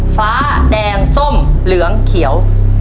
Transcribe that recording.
ฟ้าแดงส้มเหลืองเขียว